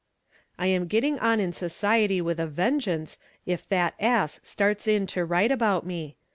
"I am getting on in society with a vengeance if that ass starts in to write about me.